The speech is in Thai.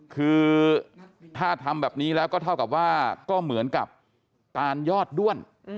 คือถ้าทำแบบนี้แล้วก็เท่ากับว่าก็เหมือนกับการยอดด้วน